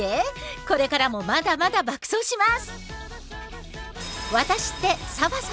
これからもまだまだ爆走します！